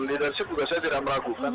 leadership juga saya tidak meragukan